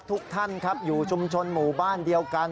ทุกท่านครับอยู่ชุมชนหมู่บ้านเดียวกัน